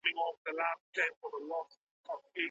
که په دروازو کي تشنابونه جوړ سي، نو چاپیریال نه چټلیږي.